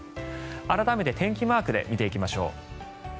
改めて天気マークで見ていきましょう。